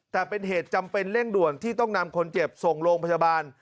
แต่เป็นเหตุจำเป็นเร่งด่วนที่ต้องนำคนเจ็บส่งโรงพยาบาล